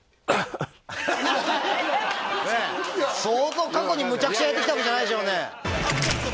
いやいやいやいや相当過去にむちゃくちゃやってきたわけじゃないでしょうね？